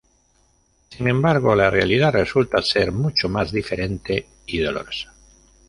Sin embargo, la realidad resulta ser mucho más diferente y dolorosa.